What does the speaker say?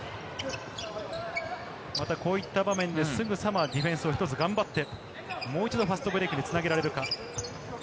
こういった場面ですぐさまディフェンスを一つ頑張って、もう一度ファストブレイクにつなげられるか？